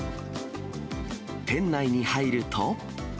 店内に入ると。